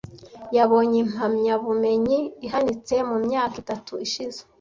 Yabonye impamyabumenyi ihanitse mu myaka itatu ishize.